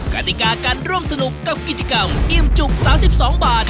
กติกาการร่วมสนุกกับกิจกรรมอิ่มจุก๓๒บาท